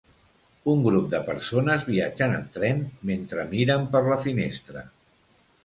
Un grup de persones viatgen en tren mentre miren per la finestra.